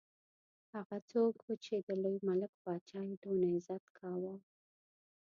هغه څوک وو چې د لوی ملک پاچا یې دونه عزت کاوه.